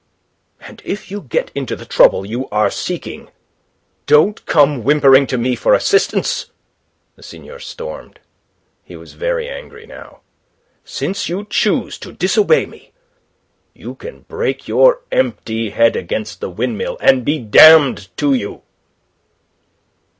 "And if you get into the trouble you are seeking, don't come whimpering to me for assistance," the seigneur stormed. He was very angry now. "Since you choose to disobey me, you can break your empty head against the windmill, and be damned to you."